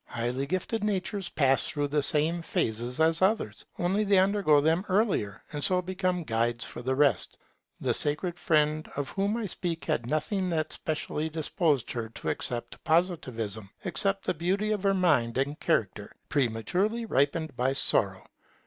Highly gifted natures pass through the same phases as others; only they undergo them earlier, and so become guides for the rest. The sacred friend of whom I speak had nothing that specially disposed her to accept Positivism, except the beauty of her mind and character, prematurely ripened by sorrow.